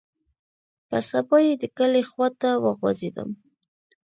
پر سبا يې د کلي خوا ته وخوځېدم.